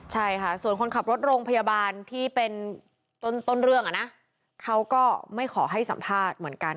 ใช่ค่ะส่วนคนขับรถโรงพยาบาลที่เป็นต้นเรื่องอ่ะนะเขาก็ไม่ขอให้สัมภาษณ์เหมือนกัน